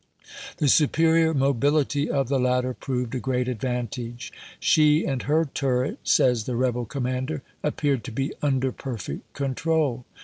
The superior mobility of the latter proved a great advantage. " She and her tun et," says the rebel commander, " appeared to be under perfect control.